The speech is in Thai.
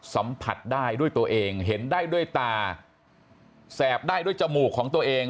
สัมผัสได้ด้วยตัวเองเห็นได้ด้วยตาแสบได้ด้วยจมูกของตัวเอง